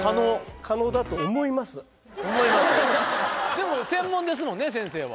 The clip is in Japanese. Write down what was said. でも専門ですもんね先生は。